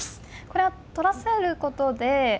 これは取らせることで。